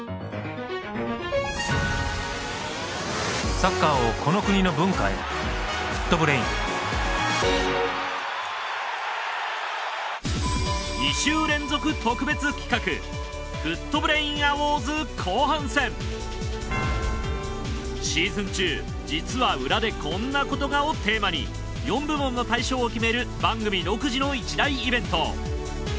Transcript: サッカーをこの国の文化へ『ＦＯＯＴ×ＢＲＡＩＮ』２週連続特別企画「シーズン中実は裏でこんなことが」をテーマに４部門の大賞を決める番組独自の一大イベント。